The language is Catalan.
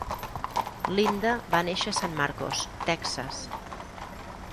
Lynda va néixer a San Marcos, Texas.